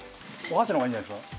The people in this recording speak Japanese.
お箸の方がいいですか？